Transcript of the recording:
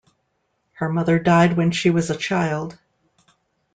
Her mother died when she was a child.